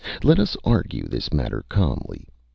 Let us argue this matter calmly.